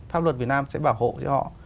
pháp luật việt nam sẽ bảo hộ cho họ